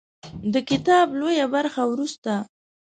د کتاب لویه برخه وروسته